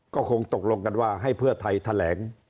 ก็คงตกลงกันว่าให้เพื่อไทยแถลง